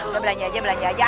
gue belanja aja belanja aja